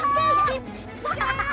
dia gak galak kok gak apa apa